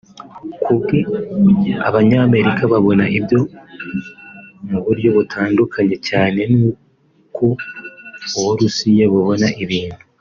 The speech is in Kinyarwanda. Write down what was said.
Ku bwe Abanyamerika babona ibyo mu buryo butandukanye cyane n’uko U Burusiya bubona ibintu